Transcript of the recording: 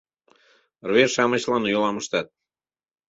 Рве-шамычлан йолам ыштат.